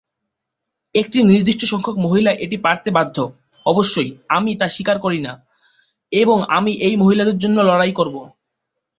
একটি নির্দিষ্ট সংখ্যক মহিলা এটি পরতে বাধ্য, অবশ্যই, আমি তা অস্বীকার করি না, এবং আমি এই মহিলাদের জন্য লড়াই করব।